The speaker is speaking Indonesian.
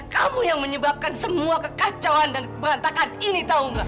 kamu yang menyebabkan semua kekacauan dan berantakan ini